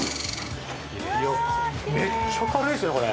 ◆めっちゃ軽いですね、これ。